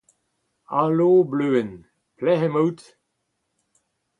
Alo Bleuenn, pelec’h emaout ?